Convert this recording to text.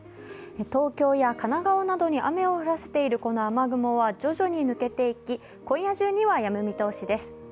東京や神奈川などに雨を降らせているこの雨雲は徐々に抜けていき、今夜中にはやむ見通しです。